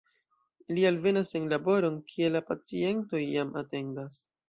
Li alvenas en laboron, kie la pacientoj jam atendas.